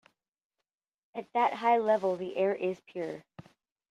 At that high level the air is pure.